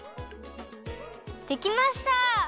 できました！